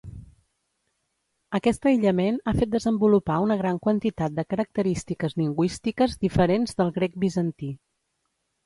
Aquest aïllament ha fet desenvolupar una gran quantitat de característiques lingüístiques diferents del grec bizantí.